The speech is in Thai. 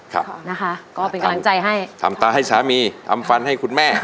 ค่ะนะคะก็เป็นกำลังใจให้ทำตาให้สามีทำฟันให้คุณแม่